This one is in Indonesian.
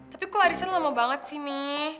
tapi kok arisan lama banget sih mi